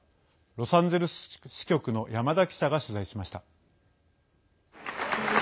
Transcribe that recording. ロサンゼルス支局の山田記者が取材しました。